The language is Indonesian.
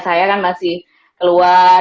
saya kan masih keluar